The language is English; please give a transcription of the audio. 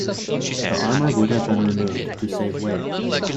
The armor would have been removed to save weight.